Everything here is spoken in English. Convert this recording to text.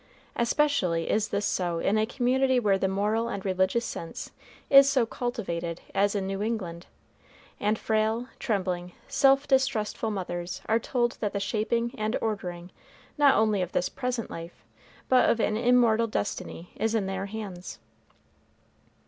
Especially is this so in a community where the moral and religious sense is so cultivated as in New England, and frail, trembling, self distrustful mothers are told that the shaping and ordering not only of this present life, but of an immortal destiny, is in their hands.